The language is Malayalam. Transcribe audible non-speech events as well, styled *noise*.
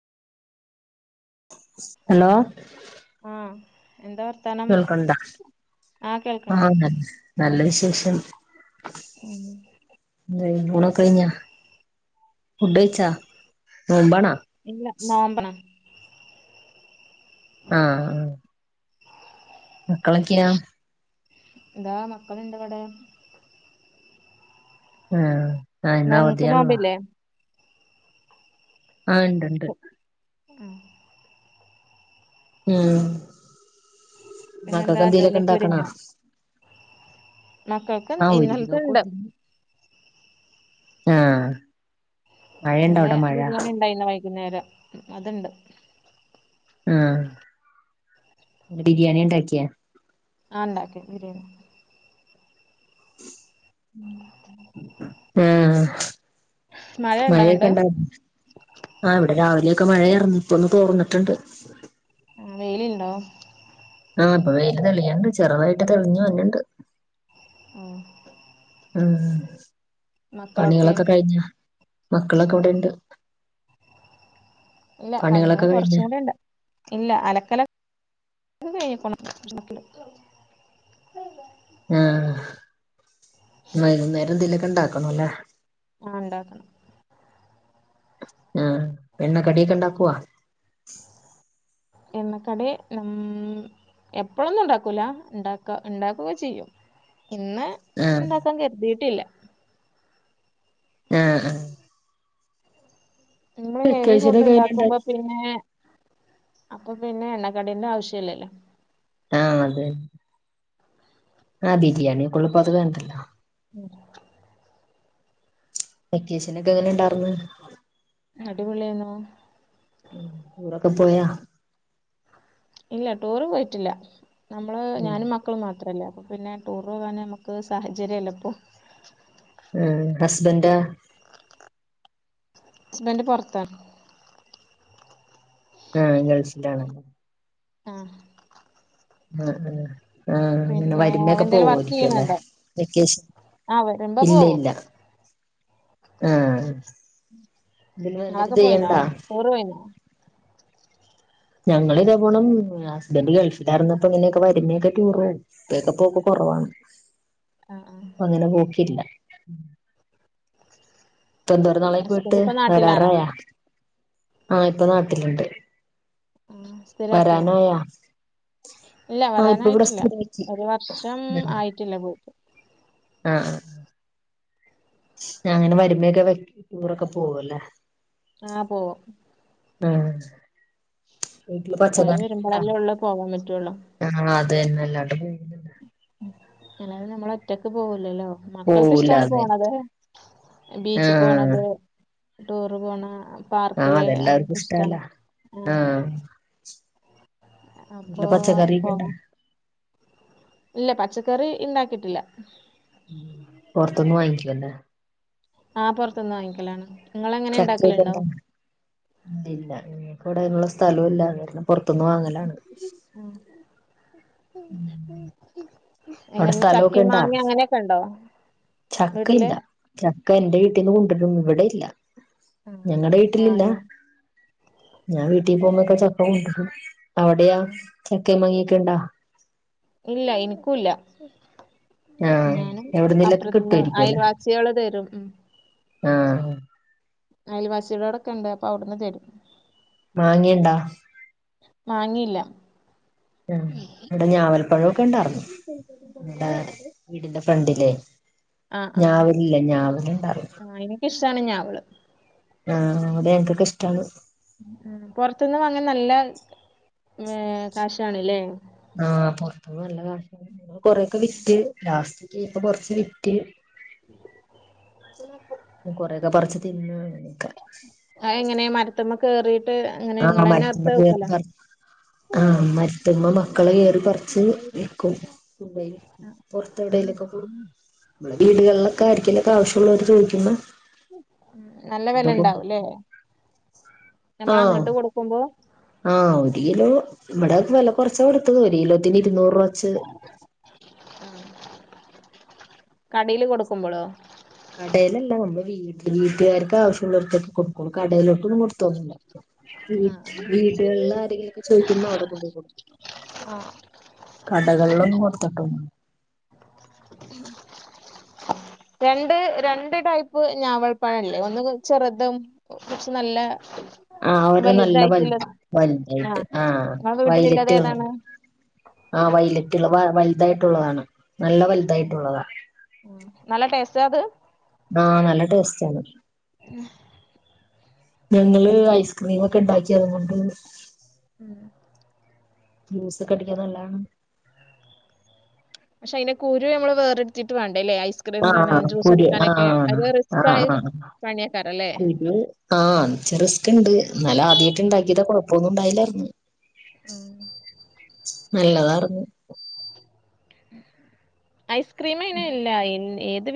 ഹലോ ആഹ് എന്താ വർത്താനം കേൾക്കണ്ട ആഹ് ആഹ കേൾക്കണ്ട് നല്ല നല്ല വിശേഷം ഉം ന ഒന കഴഞ്ഞാ ഫടച്ച മമ്പണ ഇല്ല നമ്പന ആഹ ആഹ മക്കളൊക്കെയാ എന്താ മക്കള എന്റെവിടെ ആഹ ആ് നവത് നിങ്ങക്ക് അല്ല നോമ്പില്ലേ ആ ഉണ്ട്ണ്ട് ഉം ഉം മക്ക പിന്നെന്താ കന്തയിലൊക്കെ ജോലിയൊക്കെ ഇണ്ടാക്കണ ഒരുങ്ങിയോ മക്കൾക്ക് ആഹ ഒരുരിക്ക ഇന്നലത്തെ നോക്ക ഉണ്ട് ആഹ അങ്ങനെ ബിരിയാണി ഉണ്ടായിന്ന വൈകുന്നേരം അതുണ്ട് ആഹ ബിരിയാണി ഉണ്ടാക്കിയാ ആണലാക്കെ വിരന്ന ആ മഴ മഴയൊക്കെ അങ്ങട്ട് ഉണ്ടോ ആ ഇവിടെ രാവിലെ ഒക്കെ മഴാർന്നു ഇപ്പൊന്ന് തോർന്നിട്ടുണ്ട് വെയിലുണ്ടോ ആ ഇപ്പൊ വെയില് തെളിയണ്ട് ചെറുതായിട്ട് തെളിഞ്ഞു വന്നിണ്ട് ആ ആ പണികളൊക്കെ കഴിഞ്ഞ മക്കളൊക്കെ ഇവിടെണ്ട് ഇല്ല പണികൾ പണികളൊക്കെ കഴിഞ്ഞ കൊറച്ചും കൂടി ഇണ്ട് ഇല്ല അലക്കല ക *unintelligible* ആ വൈകുന്നേരം എന്തെലൊക്കെ ഉണ്ടാക്കണംല്ലേ ആഹ് ഉണ്ടാക്കണം ആ എണ്ണ കടിയൊക്കെ ഇണ്ടാക്കുവോ എണ്ണ കടീ മ്മ് എപ്പളൊന്നും ഉണ്ടാക്കൂല ഉണ്ടാക്ക ഉണ്ടാക്കുക ചെയ്യും ഇന്ന് ആഹ് ഉണ്ടാക്കാൻ കരുതിയിട്ടില്ല ആ ആ നമ്മള് ഹെവി ഫുഡ് വെക്കേഷനൊക്കെ എങ്ങനെണ്ടായി ഉണ്ടാക്കുമ്പോ പിന്നെ അപ്പൊ പിന്നെ എണ്ണക്കടീന്റെ ആവശ്യംല്ലല്ലോ ആ ത് ആ ബിരിയാണി ഒക്കെ ള്ളപ്പൊ അത്‌ വേണ്ടല്ലോ ഉ വെക്കേഷനൊക്കെ എങ്ങനെണ്ടാർന്ന് അടിപൊളി അയ്നു ടൂറൊക്കെ പോയാ ഇല്ല ടൂറ് പോയിട്ടില്ല നമ്മള് ഞാനും മക്കളും മാത്രല്ലെ അ പിന്നെ ടൂർ പോകാന നമുക്ക് സാഹചര്യല്ല ഇപ്പൊ ഉം ഹസ്ബൻഡാ ഹസ്ബന്റ് പൊറത്താ ആ ഗൾഫിലാണല്ലോ ആ ആ ആ ആ അങ്ങനെ പിന്നെ അവൻ വരുമ്പയൊക്കെ എന്തേലും വർക്ക് പോവയിരിക്കുവല്ലേ ചെയ്യണുണ്ടോ വെക്കേഷൻ ആ വരുമ്പോ പോവും ആ *unintelligible* നിങ്ങളൊക്കെ പോയിനോ ചെയ്യണ്ടോ ടൂറ് പോയിനോ ഞങ്ങളിതേപോണം ഹസ്ബൻന്റ് ഗൾഫിലായിരുന്നപ്പോ ഇങ്ങനെയൊക്കെ വരുമ്മേക്കെ ടൂർ പോകും *unintelligible* പോകും കൊറവാണ് ആ ആ അങ്ങനെ പോക്കില്ല ഇപ്പ എന്തോര നാളായി പോയിട്ട് ഹസ്ബൻഡ് ഇപ്പൊ നാട്ടിലാണോ വരാറായോ ആ ഇപ്പൊ നാട്ടിലുണ്ട് ഉം സ്ഥിരാക്കിയോ വരാനായാ? ഇല്ല ആഹ് ഇപ്പൊ ഇവിടെ വരാനായിട്ടില്ല സ്ഥിരാക്കി. ഒരു വർഷം ആയിട്ടില്ല പോയിട്ട് ആ ആ ആ ഞ അങ്ങനെ വരുമ്പേക്കെ ടൂറൊക്കെ പോവല്ലേ ആഹ് പോവും ആ വീട്ടില് അവര് പച്ചക്കറി ഒക്കെണ്ടോ വരുമ്പോഴല്ലേ ഉള്ളു പോകാൻ പറ്റുള്ളൂ ആ അതെന്നെ അല്ലാണ്ടെ പോവൂല്ലല്ലോ അല്ലാതെ നമ്മള ഒറ്റക്ക് പോവൂലല്ലോ പോവൂല മക്കൾക്ക്ഷ്ടണ് അത് പോണത് ബീച്ചിൽ ആഹ് പോണത് ടൂറ് പോണ ആഹ് പാർക്കില് അതെല്ലാവർക്കും അങ്ങനൊക്കെ ഇഷ്ടല്ല. ഇഷ്ടാണ് ആ ഇല്ല അപ്പൊ പച്ചക്കറിക്കൊണ്ട ല്ല പച്ചക്കറി ഇണ്ടാക്കിയിട്ടില്ല ഉം പൊറത്തുന്ന് വാങ്ങിക്കാല്ലേ ആ പുറത്തൊന്ന് വാങ്ങിക്കലാണ് നിങ്ങൾ എങ്ങനെ ഉണ്ടാക്കലുണ്ടോ ചക്കക്കണ്ടല്ലവ്ടെ അയ്നുള്ള സ്ഥലവുംല്ല അെ പുൊറത്തൊന്ന്ും വാങ്ങലാണ് ആ അവിടെ ഇങ്ങനെ സ്ഥലമൊക്കെ ചക്കിം ഇണ്ടാ മാങ്ങ അങ്ങനെയൊക്കെ ഉണ്ടോ ചക്ക വീട്ടില് ഇല്ല ചക്ക എൻവീട്ടിൽന്ന് കൊണ്ടുവരുന്നു ഇവിടെ ല്ല ആ ഞങ്ങളടെ വീട്ടിലില്ല മാങ്ങ ഞാൻ വീട്ടിൽ പോുമ്പോക്കെ ചക്കകൊണ്ടോരും അവിടെയാ ആ. ചക്ക മങ്ങ ക്കണ്ടാ ഇല്ല എനിക്കൂല്ല ആഹ് ഞാനും എവിടുന്നേലൊക്കെ അപ്പുറത്തന്ന് കിട്ടുവായിരിക്കുവല്ലേ അയൽവാസികൾ തരും ഉ ആഹ അയൽവാസികളോടൊക്കെ ഉണ്ട് അപ്പൊ അവിടുന്ന് തരും മാങ്ങിയണ്ടാ വാങ്ങില്ല ഉം ഇവിടെ ഞാവൽപ്പഴമൊക്കെ ഉണ്ടായിർന്ന ടെ വീടിന്റെ ഫ്രണ്ട് ആഹ് ആഹ് ഞാവലുണ്ടാർന്നു ആഹ് എനക്ക് ഇഷ്ടാണ് ഞവള് ആഹ് അവിടെ എങ്ങൊക്കെ ഇഷ്ടാണ് പൊറത്ത്ന്ന് വാങ്ങൻ നല്ല കാശാണ് ല്ലേ ആഹ പുറത്തന്നന്ന് നല്ല കാ കൊറെൊക്കെ വിറ്റ് ലാസ്റ്റപ്പ കൊറച്ച് വിറ്റ് *inaudible* കൊറെയൊക്കെ പറിച്ച് തിന്നാണ്ക്കെ ത്ത്മ്മെ കേറിട്ട് എങ്ങനെ ങ്ങളന്നെ അർത്ത് കഴിക്കലാ ആഹ മരത്തുമേ മക്കളെ കേയറി പാറിച് വെക്കും പുറത്തെ വീടുകളിലൊക്കെ ആരിക്കലൊക്കെ ആവശ്യമുള്ളവര് ചോദിക്കുമ്പോ നല്ല വില ഇതൊക്കെ ഉണ്ടാവും കൊണ്ടോയി ല്ലേ നമ്മൾ ആഹ് അങ്ങോട്ട് കൊടുക്കുമ്പോ ആഹ് ഒരു കിലോ ഇവിടെ വില കുറച്ചാ കൊടുത്തത് ഒരു കിലോത്തിന് ഇരൂനൂറ് വച്ച് കടയിൽ കൊടുക്കുമ്പോഴോ കടയിലല്ല നമ്മള് വീട് വീട്ടുകാർക്ക് ആവശ്യമുള്ളവർത്തൊക്കെ കൊടുക്കളൂ കടയിലോട്ട് ഒന്നും കൊടുത്തോന്നില്ല ആ വീടുകളില ആരെങ്കിലും ചോദിക്കുന്നോ അവിടെ കൊണ്ടുകൊടുകും ആ കടകളിലൊന്നും കൊടുത്തട്ടോ *inaudible* രണ്ട് രണ്ട് ടൈപ്പ് ഞാവൽപ്പാഴല്ലേ ഒന്ന് ചെറുതും കുർച്ച് നല്ലെ *inaudible* ആഹ് അവരുടെ നല്ല വല ആ വലായിട്ട് ആഹ് നിങ്ങളെ വീട്ടിലുള്ളത് വൈലറ്റ് കള ഏതാണ് ആഹ് വലറ്റുള്ള വലുതായിട്ടുള്ളതാണ് നല്ല വലുതായിട്ടുള്ളതാ ചത് ആഹ് നല്ല ടേസ്റ്റ് ആണ് ഞങ്ങള് ഐസ്ക്രീം ഒക്കെ ഇണ്ടാക്കി അതുകൊണ്ട് ഉം ജ്യൂസ്ക്കെ അടിക്കാൻ നല്ലാണ് പക്ഷെ അതിനെ കുരു നമ്മള് വേറെടുത്തിട്ട വേണ്ട ല്ലേ ഐസ്ക്രീം താണ് ആ ജ്യൂസ് കുരു ആ അടിക്കാനൊക്കെ അഹ് ആ റിസ്ക് ആയി ആ കുരു ആഹ് റിസ്ക് ഉണ്ട് എന്നാല ആദ്യമായിട്ട് ഇണ്ടാക്കിയത കൊ അപ്പം ഒന്നും ഒണ്ടായില്ലായിരിന്നു ഉം നല്ലതാറുന്നു. ഐസ്ക്രീം അയിന് ഇല്ല എ ഏത്?